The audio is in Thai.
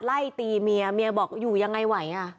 ไล่ตีเมียเมียบอกอยู่ยังไงไหวอ่ะ